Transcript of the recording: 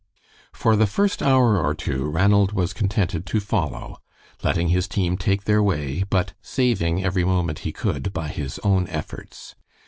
For the first hour or two Ranald was contented to follow, letting his team take their way, but saving every moment he could by his own efforts.